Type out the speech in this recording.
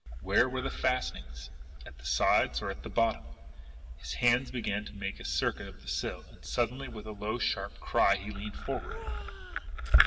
Where were the fastenings! At the sides, or at the bottom? His hand began to make a circuit of the sill and then suddenly, with a low, sharp cry, he leaned forward!